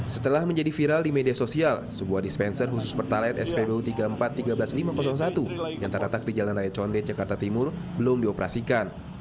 setelah menjadi viral di media sosial sebuah dispenser khusus pertalite spbu tiga puluh empat tiga belas ribu lima ratus satu yang terletak di jalan raya condet jakarta timur belum dioperasikan